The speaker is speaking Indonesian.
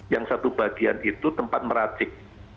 yang satu bagian itu tempat meracik